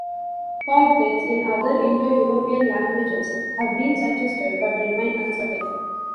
Cognates in other Indo-European languages have been suggested, but remain uncertain.